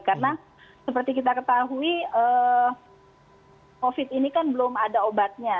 karena seperti kita ketahui covid sembilan belas ini kan belum ada obatnya